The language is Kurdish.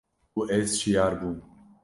û ez şiyar bûm.